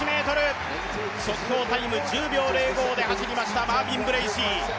速報タイム１０秒０５で走りましたマービン・ブレーシー。